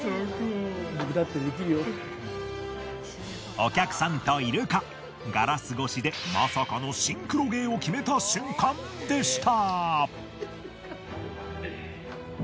お客さんとイルカガラス越しでまさかのシンクロ芸を決めた瞬間でした。